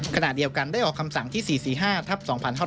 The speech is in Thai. ขณะเดียวกันได้ออกคำสั่งที่๔๔๕ทับ๒๕๕๙